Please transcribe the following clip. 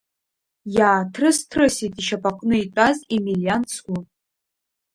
Иааҭрыс-ҭрысит ишьапаҟны итәаз Емелиан-цгәы.